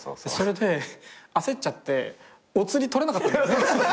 それで焦っちゃっておつり取れなかった。